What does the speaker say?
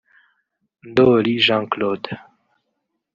Ndoli Jean Claude